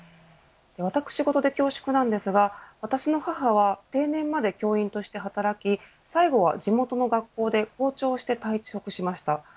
私事で恐縮ですが私の母は定年まで教員として働き最後は地元の学校で校長をして、退職しました。